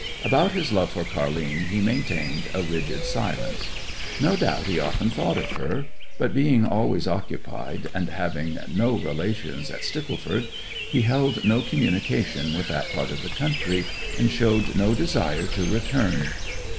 About his love for Car'line he maintained a rigid silence. No doubt he often thought of her; but being always occupied, and having no relations at Stickleford, he held no communication with that part of the country, and showed no desire to return.